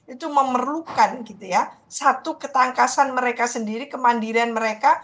itu memerlukan gitu ya satu ketangkasan mereka sendiri kemandirian mereka